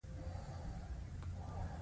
په لوړ غږ يې څه وويل.